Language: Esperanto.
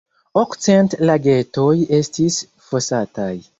Okcent lagetoj estis fosataj.